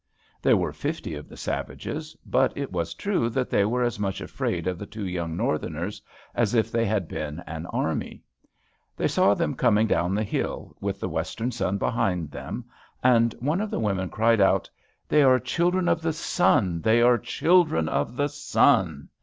There were fifty of the savages, but it was true that they were as much afraid of the two young Northerners as if they had been an army. They saw them coming down the hill, with the western sun behind them, and one of the women cried out, "They are children of the sun, they are children of the sun!"